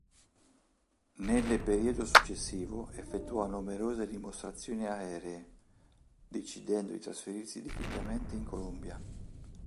Nelle periodo successivo effettuò numerose dimostrazioni aeree, decidendo di trasferirsi definitivamente in Colombia.